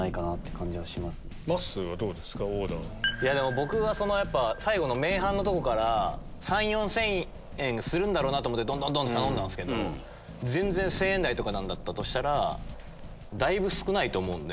僕は最後の麺・飯のとこから３０００４０００円するだろうと思ってどんどんどんって頼んだけど全然１０００円台とかだとしたらだいぶ少ないと思うんで。